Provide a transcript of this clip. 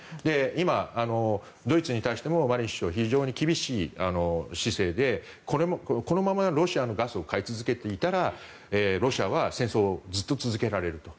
今、ドイツに対してもマリン首相非常に厳しい姿勢でこのままロシアのガスを買い続けていたらロシアは戦争をずっと続けられると。